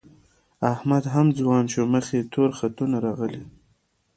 احمد هم ځوان شو، مخ یې تور خطونه راغلي